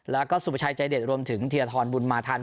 แล้วก็สุประชัยใจเด็ดรวมถึงธีรธรบุญมาทัน